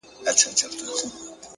نیک اخلاق د انسان ښکلی تصویر دی.